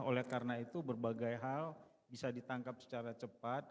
oleh karena itu berbagai hal bisa ditangkap secara cepat